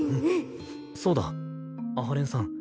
そうだ阿波連さん